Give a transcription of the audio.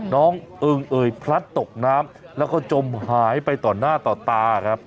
น้องเอิงเอ่ยพลัดตกน้ำแล้วก็จมหายไปต่อหน้าต่อตาครับ